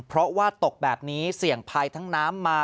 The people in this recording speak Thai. เพราะว่าตกแบบนี้เสี่ยงภัยทั้งน้ำมา